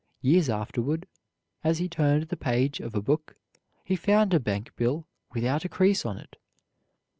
Years afterward, as he turned the page of a book, he found a bank bill without a crease in it.